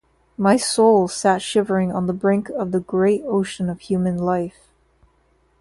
My soul sat shivering on the brink of the great ocean of human life.